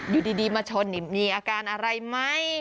อยู่ดีมาชนมีอาการอะไรไหม